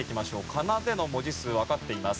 かなでの文字数わかっています。